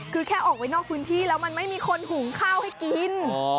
คือแค่ออกไปนอกพื้นที่แล้วมันไม่มีคนหุงข้าวให้กิน